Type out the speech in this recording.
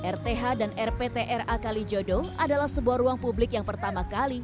rth dan rptra kalijodo adalah sebuah ruang publik yang pertama kali